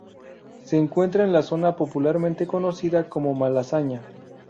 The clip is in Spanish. Se encuentra en la zona popularmente conocida como Malasaña.